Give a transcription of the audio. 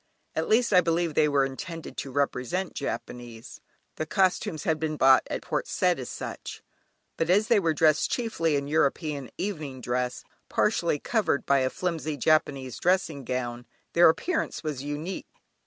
At least, I believe they were intended to represent Japanese (the costumes had been bought at Port Said as such), but as they were dressed chiefly in European evening dress, partially covered by a flimsy Japanese dressing gown, their appearance was unique.